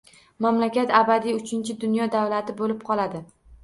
Mamlakat abadiy uchinchi dunyo davlati bo'lib qoladi